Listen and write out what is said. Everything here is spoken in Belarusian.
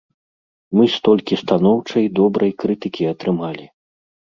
Мы столькі станоўчай, добрай крытыкі атрымалі!